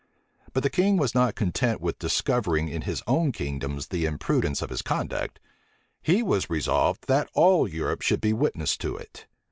But the king was not content with discovering in his own kingdoms the imprudence of his conduct: he was resolved that all Europe should be witness to it.